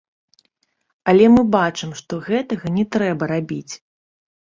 Але мы бачым, што гэтага не трэба рабіць.